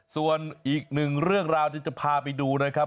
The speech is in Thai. ส่วนอีกหนึ่งเรื่องราวที่จะพาไปดูนะครับ